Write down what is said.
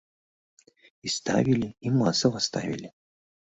І ставілі, і масава ставілі.